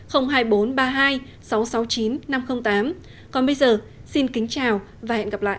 còn bây giờ xin kính chào và hẹn gặp lại